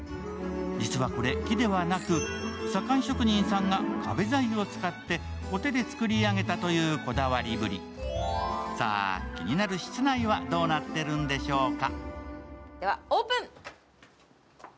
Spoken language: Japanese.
実はこれ、木ではなく左官職人さんが壁材を使ってこてで造り上げたというこだわりさあ、気になる室内はどうなってるんでしょうか？